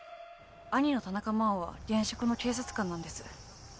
兄の田中真雄は現職の警察官なんです